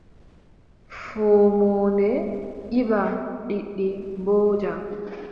Foomoonde yibba, liɗɗi mbooja.